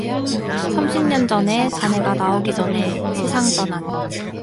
삼십 년 전에 자네가 나오기 전에 세상 떠난